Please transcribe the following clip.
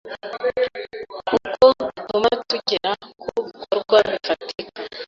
kuko batuma tugera ku bikorwa bifatika,